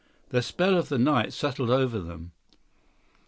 The spell of the night settled over them.